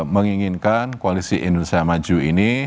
menginginkan koalisi indonesia maju ini